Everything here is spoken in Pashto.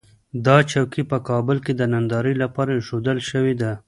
دا چوکۍ په کابل کې د نندارې لپاره اېښودل شوې ده.